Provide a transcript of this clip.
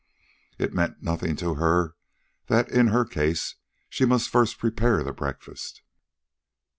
It meant nothing to her that in her case she must first prepare the breakfast.